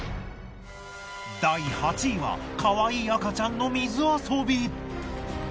第８位はかわいい赤ちゃんの水遊び。